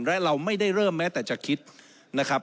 และเราไม่ได้เริ่มแม้แต่จะคิดนะครับ